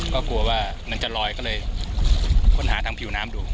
ก็กลัวว่ามันจะลอยก็เลยค้นหาทางผิวน้ำดู